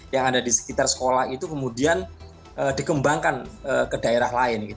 yang ada di sekitar sekolah itu kemudian dikembangkan ke daerah lain